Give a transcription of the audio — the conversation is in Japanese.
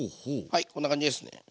はいこんな感じですね。